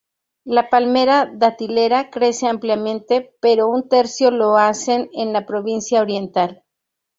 La palmera datilera crece ampliamente pero un tercio lo hacen en la provincia Oriental.